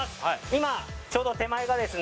今ちょうど手前がですね